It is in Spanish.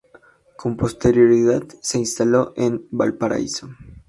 Con posterioridad se instaló en Valparaíso.